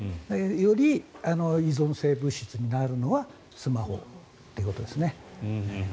より依存性物質になるのはスマホということですね。